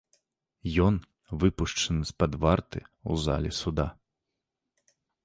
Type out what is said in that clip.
Ён выпушчаны з-пад варты ў залі суда.